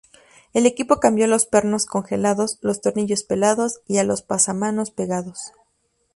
El equipo cambió los pernos congelados, los tornillos pelados y a los pasamanos pegados.